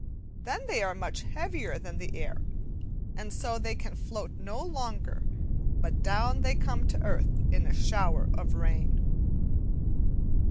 Then they are much heavier than the air, and so they can float no longer, but down they come to the earth in a shower of rain.